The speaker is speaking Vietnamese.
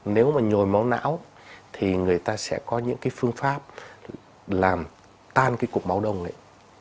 nếu mà nhồi máu não thì người ta sẽ có những cái phương pháp làm tan cái cục máu đông ấy